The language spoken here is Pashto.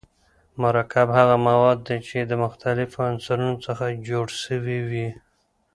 مرکب هغه مواد دي چي د مختليفو عنصرونو څخه جوړ سوی وي.